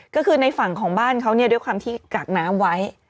ก็คือในฝั่งของบ้านเขาเนี่ยด้วยความที่กากน้ำไว้